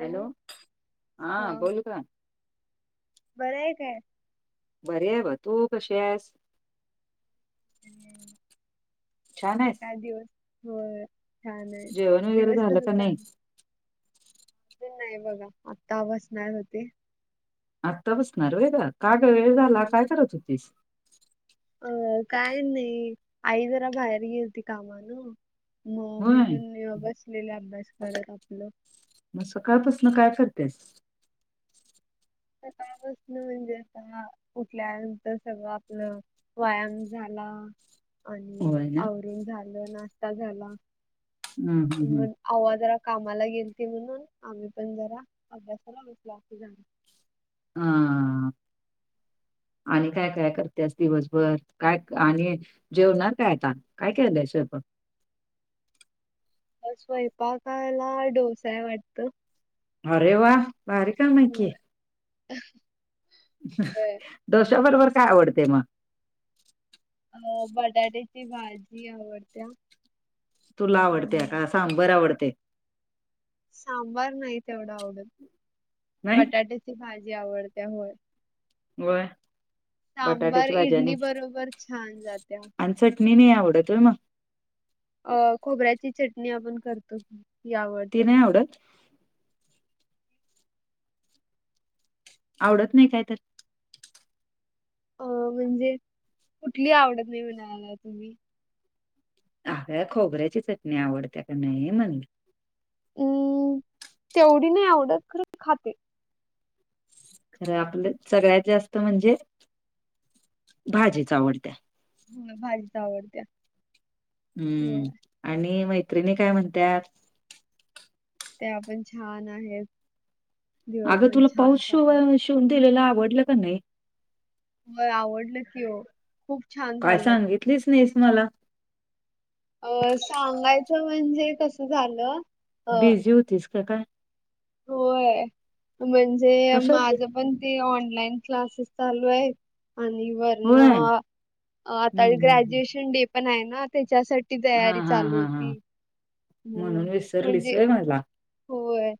Hello हा बोल का बरं आहे काय बरे ब तू कशी आहेस छान आहेस का दिवस हो छान आहे जेवण वगैरे दिवस कस झालं का नाही चांग नाही बघा आत्ता बसणार होती आत्ता बसणार वेग काग वेळ झाला काय करत होतीस अ काय नाही आई जरा बाहेर गे होती कामान म मी होय पण बसलेला अभ्यास करत आपलं मग सकाळपासन काय करतेय कापासन म्हणजे आता उठल्यानंतर सगळं आपलं व्यायाम झाला आणि होय ना आवरून झालं नाश्ता झाला हम् हम् हम् अववा जरा कामाला गेल त म्हणून आम्ही पण जरा अभ्यासाला बसला असणार. हा. [unintelligible] आणि काय काय करतेस दिवसभर काय आणि जेवणार काय आता काय केय दयश आपण स्वयंपाकाला डोसाय वाटत. अरे वा बारी का नकी ह. दोशाबरोबर काय आवडते मग अ बटाट्याची भाजी आवडत्या. तुला आवडते आणि का सांबर आवडते. सांबार नाही तेवढं आवडत नाही बटाट्याची भाजी आवडत्या होय. होय सांबार बटाट्याची भाजी इडली आणि बरोबर छान जात्या. आणि चटणी नाही आवडतय मग अ खोबऱ्याची चटणी आपण करतो ही आवडत्या. आवत. आवडत नाही काय तर अ म्हणजे कुठली आवडत नाही म्हणायला तुम्ही? अग खोबऱ्याची चटणी आवडते का नाही म्हणली. हम्म तेवढी नाही आवडत खाते. खर आपल्या सगळ्यात जास्त म्हणजे भाजीच्या आवडत्या. ह भाजीच आवडत्या. होय हम्म आणि मैत्रिणी काय म्हणतातत. ते आपण छान आहेत. दिवस अगं पण तुला छान पाऊस चालू शि शिवून दिलेला आवडलं का नाही. होय आवडलं की हो. खूप छान. काय सांगितलीच नाहीस मला अ सांगायचं म्हणजे कसं झालं. अ बिझी होतीस का काय? होय म्हणजे कशात माझ पण ते ऑनलाईन क्लासेस चालू आहे. आणि वरण होय आता हम्म हम्म ग्रॅज्युएशन डे पण आहे ना त्याच्यासाठी ी हा तयारी हा चालू हा हा होती ह म्हणजे हला. होय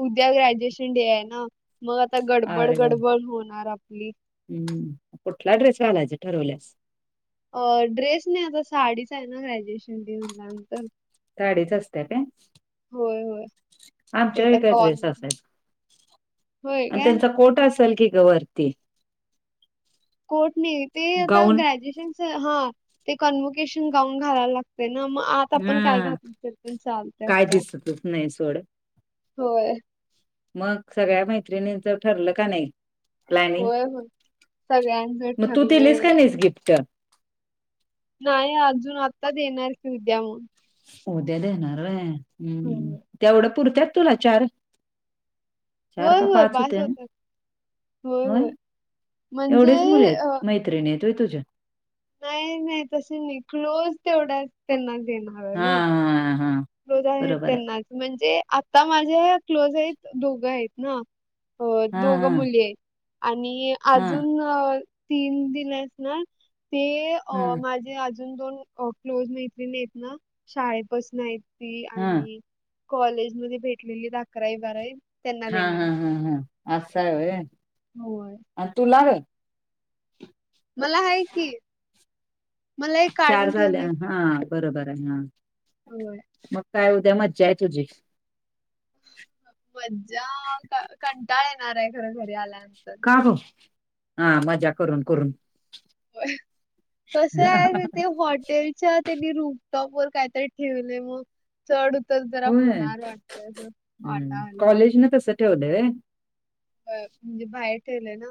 उद्या ग्रॅज्युएशन डे आहे ना. मग आता गडबड अरे वा गडबड होणार आपली हम्म कुठला ड्रेस घालायचा ठरवल्यास. अ ड्रेस नाही आता साडीचा आहे ना ग्रॅज्युएशन देनल्यानंतर साडीच असत का का होय. ते आमच्या आता का कॉल ड्रेस अस. होय आणि काय त्यांचा कोटा असल की ग वती कोट नाही ते आता ग्रॅज्युएशन हा ते कन्वोकेशन गाऊन घालायला लागत. ना मग आता आपण काय हा घात पण चालते काय असंय. दिसतच नाही सोड होय. मग सगळ्या मैत्रिणींच ठरलं का नाही. प्लॅनिंग होय होय सगळ्यांचं मग तू ठरलंय दिलीस का नाहीस गिफ्ट नाही अजून आत्ताच येणारच उद्या म्हणून उद्या देणार रे हम्म होय तेवढं पुरत्यात तुला चार चार होय का होय, पाच बास होते ना. होतात होय म्हणजे एवढेच मुले अ, आहेत मैत्रिणीेतय तुझ्या? नाही नाही तस नाही क्लोज तेवढा त्यांना देण. हा हा हा. क्लोज आहेत बरोबर आहे त्यांनाच म्हणजे, आता माझे क्लोज आहेत दोघं आहेत ना. अ हा दोघ हा मुली आहेत. आणि हा अजून, तीन दिलेस ना, ते हा माझे आजोबा अजून दोन क्लोज मैत्रिणी आहेत ना, शाळेपासन आहेत ती हा आणि, कॉलेजमध्ये भेटलेलीत अकरावी बारावी. त्यांना हा देणार हा आहे. हा हा. असां आहे होय, होय आणि तुला गं मला आहे कि, चार झाले हा, बरोबर आहे हा होय. मग काय, उद्या मज्जा आहे तुझी. मज्जा, कंटाळ येणार आहे, खर घरी आल्यानंतर. का गं आ.. मजाक. करून होय. करून. हॉटेल. अच्छा, त्यांनी रूपटॉप वर कायतरी ठेवले मग. चढउतर जरा होय होणार वाटतं अस वाटाले. [unintelligible] ते होते काय. म्हणजे बाहेर ठेवलं ना,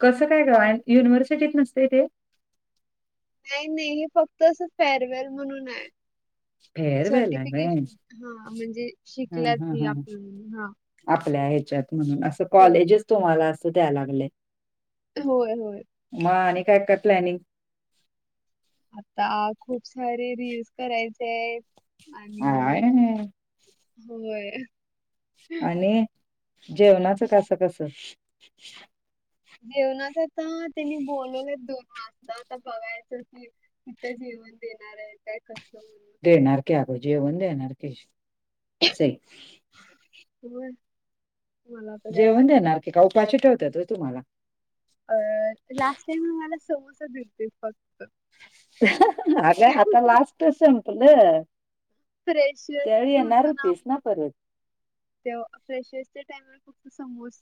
कसं काय गं, आणि कॉलेज युनिव्हर्सिटीत नसते ते. नाही नाही, हे फक्त असं फेअरवेल म्हणून आहे. फेअरवेल आहे व्हय. सर्टिफिकेशन हा म्हणजे, हा शिकल्यात हा हे हा आपण हा. आपल्या ह्याच्यात म्हणून असं, हो कॉलेजच तुम्हाला असं द्याय लागलेत. होय होय. मग आणि काय काय प्लॅनिंग. आता खूप सारे रील्स करायचेत काय आणि, नाही होय. आणि जेवणाचं कसं कसं. जेवणाचं आता त्यांनी बोलवलेत. दोन वाजता आता बघायचं की, तिथं जेवण देणार आहेत. काय कस म्हणून, देणार कीे आगं जेवण देणार की, सेफ व्हयं. जेवण देणार की, काय उपाशी ठेवत्यात होय तुम्हांला. अ.. लास्ट टाईम आम्हाला समोसा दिलंत फक्त. अरे, आता लास्ट संपलं. फ्रेशर्स त्यावेळी येणार होतं होतीस ना आमचं परत. फ्रेशर्सच्या टाइम्स फक्त समोस.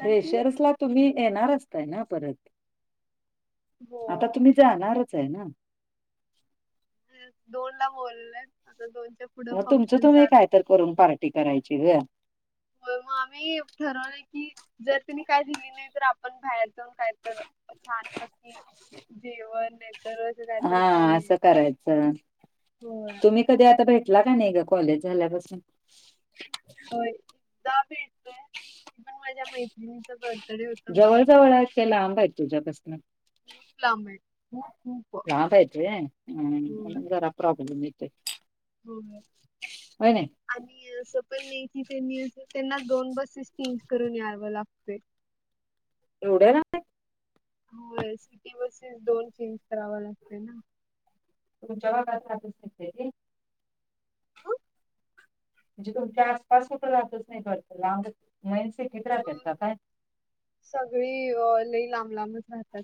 फ्रेशर्स ला तुम्ही येणार, असताय ना परत. हो आता तुम्ही जाणारच आहे ना. दोन ला बोलेत, आता दोनचा मग तुमचं तुम्ही, काय तर करून पार्टी करायची गं हो मग आम्ही ठरवलंय की, जर तिनी काय दिली नाही तर आपण बाहेर जाऊन काय तर. छानपैकी जेवण नाही तर, हा, खाऊन असं यायचं. करायचं होय तुम्ही. कधी आता भेटला कणी गं कॉलेज झाल्यापासून. एकदा भेटलोय. ते माझ्या मैत्रिणीच बर्थ जवळ जवळ आहेत ते लांब आहेत. तुझ्यापसन, खूप लांब आहे खूप खूप लांब हायत होय, म्हणून होय हम जरा प्रॉब्लेम येतोय. होय. होय नाही आणि असं पण नाही कि त्यांनी त्यांना दोन बसेस चेंज करून यावं लागतय [inaudible] एवढ्या ना होय सिटी बसेस दोन चेंज कराव लागतं ना तु जवाबार अपसते हं? म्हणजे तुमच्या आसपास कुठं लातच नाही करत लांब मैनसे किचरा होय करतात होय काय सगळी लई लांब लांबच राहतात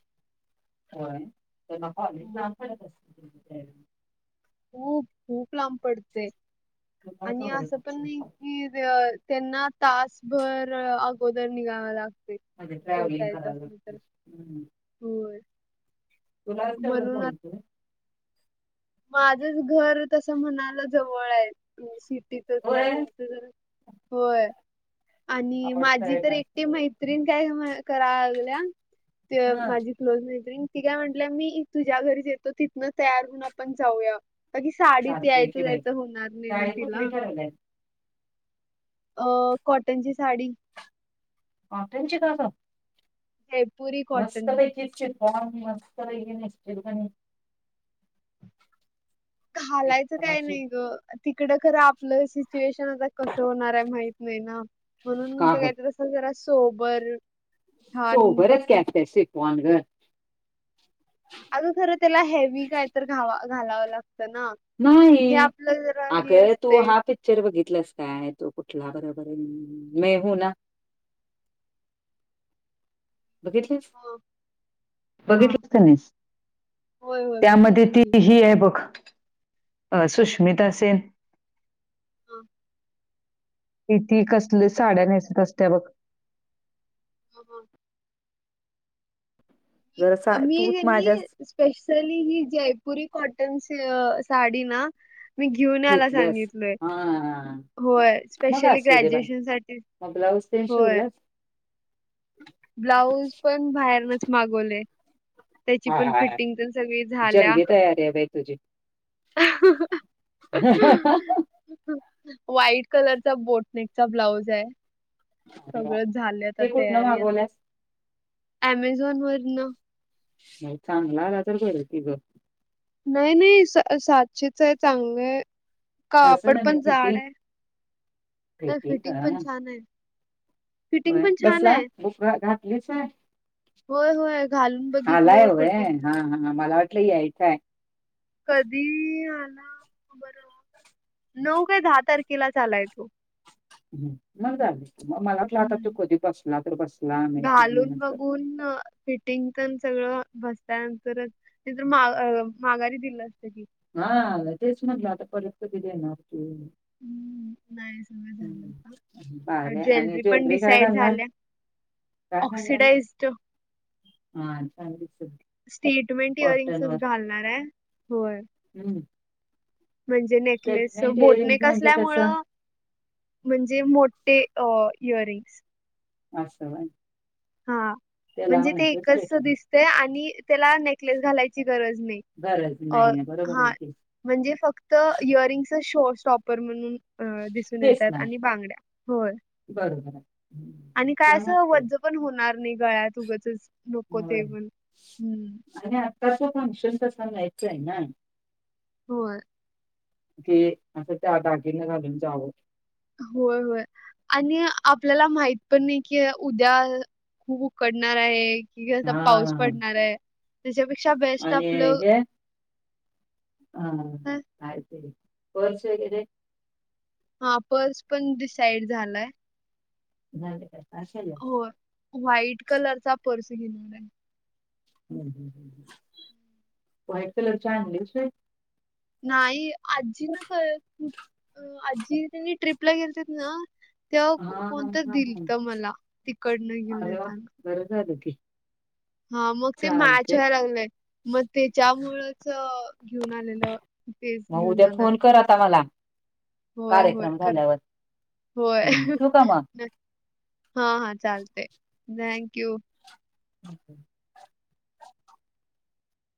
क तर ऑलेज ला पडत अस खूप खूप लांब पडते तुला आणि जवळ असं पण फक्त कि त्यांना तासभर अगोदर निघाव लागते अ ट्रॅव्हलिंग करावं लाग हम्म होर तुलाच्याळ बोलत माझंच घर तस म्हणाला जवळ आहेजे सिटीचच आहे होय त्यांच ज होय आणि आउट माझी साईड तर ला असतात. एकटी माहिती काय करागल्या ते हा माझी क्लोज नेबरिंग ती काय म्हटलं मी तुझ्या घरीच येतो तिथनं तयार होन आपण जाऊया का की साडीत चालतय यायचं की बाई जायचं होणार नाही ना साडी तिला कुठली ठरवलंय अ कॉटनची साडी हो त्यांची काजं ह मस्त प फॉम मस्त खालायचं एकदम काय अशी नाही ग तिकड खर आपलं सिच्युएशन आता कस होणार आहे माहत नाही ना म्हणून का ग काही जरा सोबर सोभरच क्या छानपैकी कसे पवान घर अगून खरं त्याला हेवी काय तर घा घालावं लागतं ना नाही हे आपलं जरा अग हे तू असते हा पित ्चर बघितलंस काय तो कुठला बरोबर मेहू ना बघितलेस हा हा बघितलेस का नाहीस होय होय त्यामध्ये बघितलं ती की ही आहे बघ अ सुष्मिता सेन हम किती कसल्या साड्या नेयसत असत्या बघ ह ह जरा सा मी तूच माझ्याच क स्पेशली ही जयपुरी कॉटन साडी ना मी घेऊन आला घेतल्यास सांगितलय हा होय मग स्पेशली असू दे बाई ग्रॅज्युएशन साठी मग ब्लाऊज ते होय शिवलाच ब्लाऊज पण बाहेरनच मागवले त्याची हा पण हा फिटिंग पण सगळी झाल्या. जंगी तयार आहे बाई तुझी [inaudible] व्हाईट कलरचा बोटनेकचा ब्लाऊज आहे सगळ झालं आता ते कुठनं तयारी आ मागवल्यास? अमेझॉन वर ना नाही चांगला आला तर ब ति गं नाही नाही साशच आहे चांग आहे तसं कापड नव्हे पण जाड फिटिंग आहे तर फिटिंग पण छान आहे फिटिंग होय पण छान बसला आहे. बुक घातलीच आहे होय होय घालून बघितलं आलायवय फिटिंग हा हा मला वाटलं काय कधी आला बरं नऊ का दहा तारखेला चालाय तो म झाली मग मलाटलाता हम्म. तू कधी बसला तर बस घालून बघून फिटिंग पण सगळं बसता नंतरच नंतर माघारी दिलं असत की हा तेच म्हटलं आता परत कध येणार तू हम्म नाही सगळं झालं का भारी आहे आणि ज्वेलरी पण काय डिसाईड घालणार? झाल्या काय घालणार? ऑक्सिडाजड हा छान दिसल स्टेटमेंट कॉटन वर. इयरिंग्सच घालणार आहे होय हम्म म्हणजे नेकलेस स्टेटमेंट बोटणे हिअरिंग म्हणजे कसल्यामुळं कसं म्हणजे मोठे इयर रिंग्स असं बाय हा म्हणजे ते एकच स्टेटमेंट दिसतय आणि त्याला नेक् नस घालायची गरज नाही गरज नाही आहे बरोबर हा आहे की म्हणजे फक्त इयररिंग्स श स्टॉपर म्हणून दिसून येतात दिसणार आणि बांगड्या होय बरोबर आहे आणि काय असं चमट वज्ज पण होणार नाही गळ्यात उगचच नको होय ते पण हम् आणि आत्ताचं फंक्शन तर सगायचं आहे ना हो की असं त्या दागीने घालून जावं होय होय आणि आपल्याला माहित पण नाही की उद्या खूप उकडणार आहे क हा पाऊस पडणार आहे त्याच्यापेक्षा बेस्ट आणि आपलं ह पर्स वगैरे हा पर्स पण डिसाईड झालाय ह का असेल हो व्हाईट कलर चा पर्स घेणार आहे ह व्हाईट कलर चांगलीच नाही आजी ना का आजी त्यांनी ट्रिपला गेलेते ना हा तेव्हा हा कोणतं हा दिलत हा मला तिकडनं घेऊन येताना बर झाल की. हा मग ते मॅच चालते व्हायला लागलेय मग त्याच्यामुळच घेऊन आलेलं तेच मग घेऊन उद्या जाणार फोन आहे करा आ मला होय होय कार्यक्रम कर झाल्यावर होय हम् ठू का म हा हा चालते थँक यू [unintelligible]